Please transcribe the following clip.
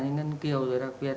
như ngân kiều rồi đặc biệt